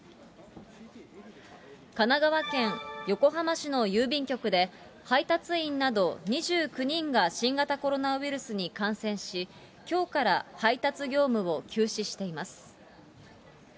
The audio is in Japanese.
神奈川県横浜市の郵便局で、配達員など２９人が新型コロナウイルスに感染し、きょうから配達業務を休止しています。